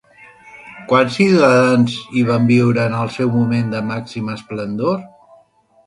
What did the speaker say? Quants ciutadans hi van viure en el seu moment de màxima esplendor?